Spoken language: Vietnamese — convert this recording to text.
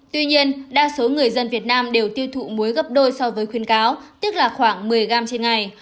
tuy nhiên đa số người dân việt nam đều tiêu thụ muối gấp đôi so với khuyến cáo tức là khoảng một mươi gram trên ngày